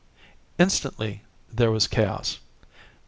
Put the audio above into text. Instantly there was chaos.